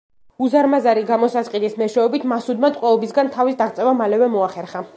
უზარმაზარი გამოსასყიდის მეშვეობით მასუდმა ტყვეობისგან თავის დაღწევა მალევე მოახერხა.